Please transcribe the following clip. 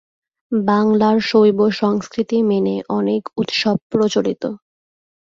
বাংলার শৈব সংস্কৃতি মেনে অনেক উৎসব প্রচলিত।